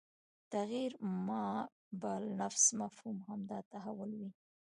تغیر ما بالانفس مفهوم همدا تحول وي